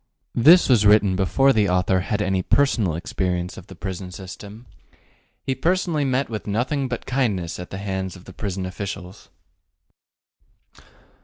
This was written before the author had any personal experience of the prison system. He personally met with nothing but kindness at the hands of the prison officials.